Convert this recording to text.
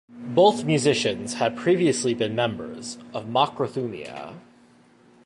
Both musicians had previously been members of Makrothumia.